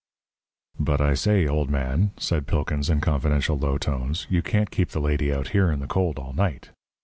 "But, I say, old man," said Pilkins, in confidential low tones, "you can't keep the lady out here in the cold all night.